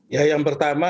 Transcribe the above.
ya yang pertama